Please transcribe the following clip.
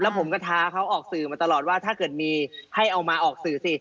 ผมก็ท้าเขาออกสื่อมาตลอดว่าถ้าเกิดมีให้เอามาออกสื่อสิ